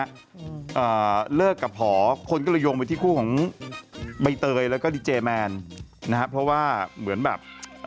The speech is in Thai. อ่าเลิกกับหอคนก็เลยโยงไปที่คู่ของใบเตยแล้วก็ดีเจแมนนะฮะเพราะว่าเหมือนแบบ